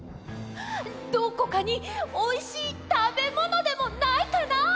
どこかにおいしいたべものでもないかな？